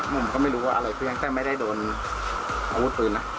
ผมก็ไม่รู้ว่าอะไรเครื่องอย่างใดไม่ได้โดนอัวพูดพื้นเอง